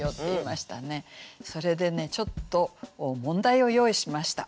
それでねちょっと問題を用意しました。